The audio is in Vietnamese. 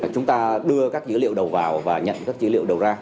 chúng ta đưa các dữ liệu đầu vào và nhận các dữ liệu đầu ra